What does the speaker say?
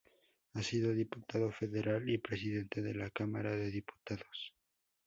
Ha sido Diputado Federal y Presidente de la Cámara de Diputados.